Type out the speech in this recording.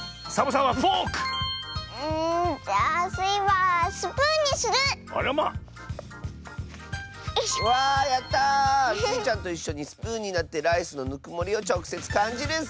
スイちゃんといっしょにスプーンになってライスのぬくもりをちょくせつかんじるッス！